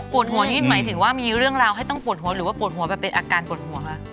หัวนี่หมายถึงว่ามีเรื่องราวให้ต้องปวดหัวหรือว่าปวดหัวแบบเป็นอาการปวดหัวคะ